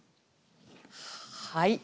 はい。